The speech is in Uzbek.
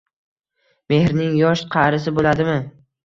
Mehrning yosh-qarisi bo‘ladimi?